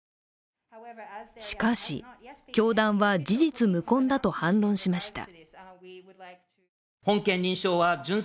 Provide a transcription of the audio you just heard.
しかし、教団は事実無根だと反論しました。